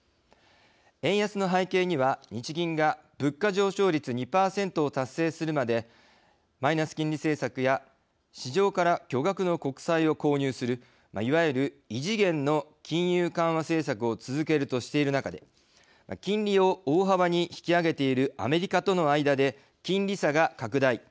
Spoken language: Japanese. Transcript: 円安の背景には、日銀が物価上昇率２％を達成するまでマイナス金利政策や市場から巨額の国債を購入するいわゆる異次元の金融緩和政策を続けるとしている中で金利を大幅に引き上げているアメリカとの間で金利差が拡大。